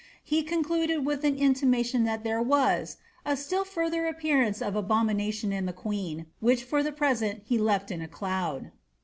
He con cluded with an intimation that there was ^^ a still further appearance of abomination in the queen, which for the present he left in a cloud."'